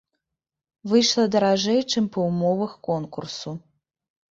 Выйшла даражэй, чым па ўмовах конкурсу.